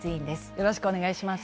よろしくお願いします。